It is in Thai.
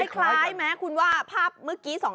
คล้ายไหมคุณว่าภาพเมื่อกี้